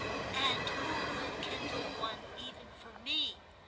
"And who will kindle one even for me?"